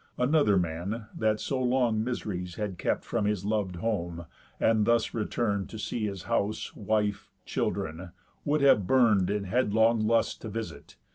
Another man, that so long miseries Had kept from his lov'd home, and thus return'd To see his house, wife, children, would have burn'd In headlong lust to visit.